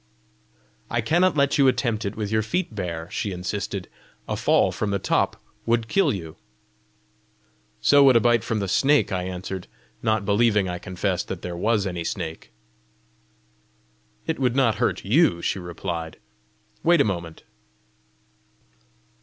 "I cannot let you attempt it with your feet bare!" she insisted. "A fall from the top would kill you!" "So would a bite from the snake!" I answered not believing, I confess, that there was any snake. "It would not hurt YOU!" she replied. " Wait a moment."